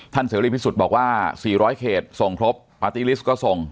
เสรีพิสุทธิ์บอกว่า๔๐๐เขตส่งครบปาร์ตี้ลิสต์ก็ส่ง